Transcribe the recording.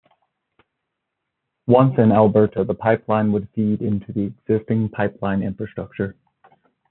Once in Alberta, the pipeline would feed into the existing pipeline infrastructure.